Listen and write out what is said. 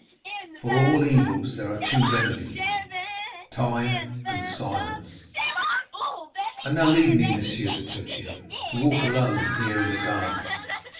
For all evils there are two remedies—time and silence. And now leave me, Monsieur Bertuccio, to walk alone here in the garden.